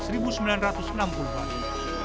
senyawa kimia beracun lainnya